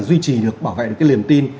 duy trì được bảo vệ được cái liềm tin